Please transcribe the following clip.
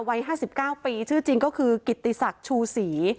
วัยห้าสิบเก้าปีชื่อจริงก็คือกิตติศักดิ์ชูศรี